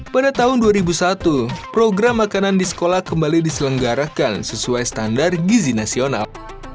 pada tahun dua ribu satu program makanan di sekolah kembali diselenggarakan sesuai standar gizi nasional